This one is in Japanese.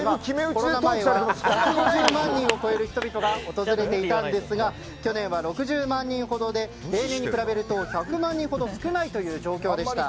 コロナ前は１６０万人を超える人々が訪れていたんですが去年は６０万人ほどで平年に比べると１００万人ほど少ない状況でした。